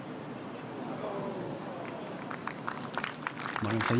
丸山さん